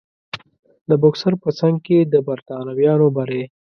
د بوکسر په جنګ کې د برټانویانو بری.